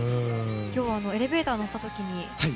今日はエレベーターに乗った時に。